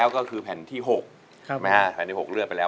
ใช้ครับ